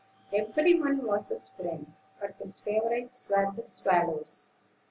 Every one was his friend, but his favorites were the swallows.